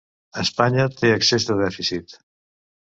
Espanya té excés de dèficit